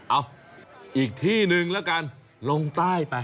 เอ้าอีกที่หนึ่งแล้วกันลงใต้ไป